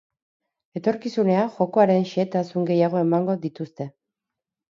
Etorkizunean jokoaren xehetasun gehiago emango dituzte.